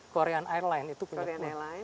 korean airlines itu punya